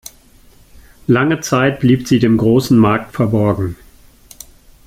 Lange Zeit blieb sie dem großen Markt verborgen.